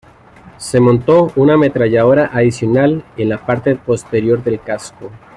Se montó una ametralladora adicional en la parte posterior del casco.